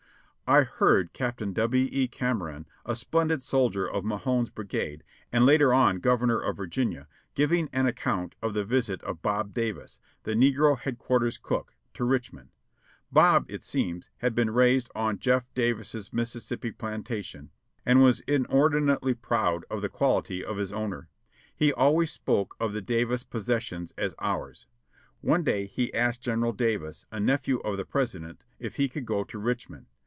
I heard Captain W. E. Cameron, a splendid soldier of Mahone's brigade, and later on Governor of Virginia, giving an account of the visit of Bob Davis, the negro headquarters cook, to Richmond. Bob, it seems, had been raised on Jeff. Davis's Mississippi planta tion and was inordinately proud of the quality of his owner. He always spoke of the Davis possessions as "ours." One day he asked General Davis, a nephew of the President, if he could go to Richmond.